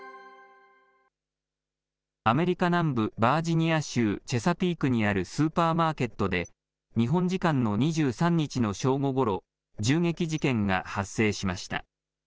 アメリカ南部バージニア州チェサピークにあるスーパーマーケットで、日本時間の２３日の正午ごろ、銃撃事件が発生しました。